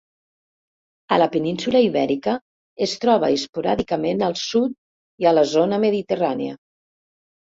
A la península Ibèrica es troba esporàdicament al sud i a la zona mediterrània.